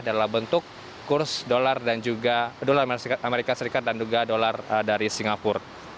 dalam bentuk kurs dolar amerika serikat dan juga dolar dari singapura